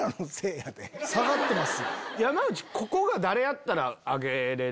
下がってます。